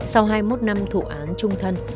sau hai mươi một năm thủ án trung thân